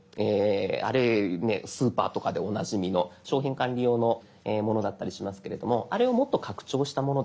あれねスーパーとかでおなじみの商品管理用のものだったりしますけれどもあれをもっと拡張したものです。